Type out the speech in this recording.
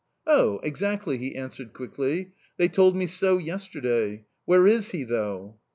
"Oh, exactly!" he answered quickly. "They told me so yesterday. Where is he, though?"